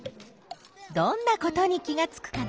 どんなことに気がつくかな？